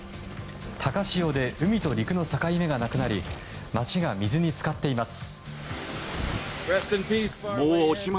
高潮で海と陸の境目がなくなり街が水に浸かっています。